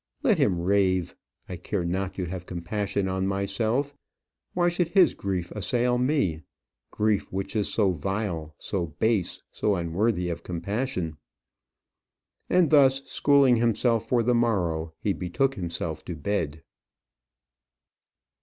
Let him rave. I care not to have compassion on myself; why should his grief assail me grief which is so vile, so base, so unworthy of compassion?" And thus schooling himself for the morrow, he betook himself to bed.